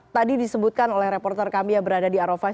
tadi disebutkan oleh reporter kami yang berada di arafah